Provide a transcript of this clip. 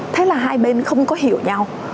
thế là hai bên không có hiểu nhau